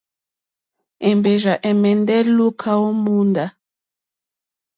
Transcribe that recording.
Èmbèrzà ɛ̀mɛ́ndɛ́ lùúká ó mòóndá.